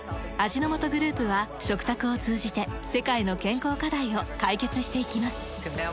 味の素グループは食卓を通じて世界の健康課題を解決していきます。